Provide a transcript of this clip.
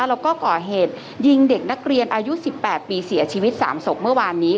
แล้วก็ก่อเหตุยิงเด็กนักเรียนอายุ๑๘ปีเสียชีวิต๓ศพเมื่อวานนี้